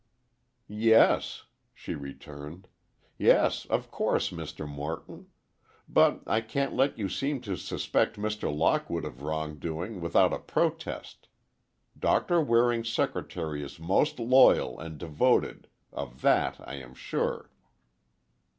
"Yes," she returned, "yes—of course, Mr. Morton. But I can't let you seem to suspect Mr. Lockwood of wrong doing without a protest! Doctor Waring's secretary is most loyal and devoted—of that I am sure."